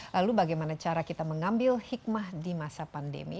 lalu bagaimana cara kita mengambil hikmah di masa pandemi